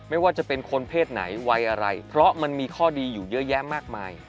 ไม่ว่าจะเป็นคนเพศไหนวัยอะไรเพราะมันมีข้อดีอยู่เยอะแยะมากมาย